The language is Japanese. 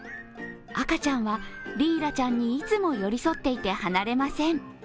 赤ちゃんは、リーラちゃんにいつも寄り添っていて離れません。